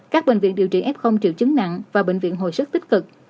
các bệnh viện điều trị f triệu chứng nặng và bệnh viện hồi sức tích cực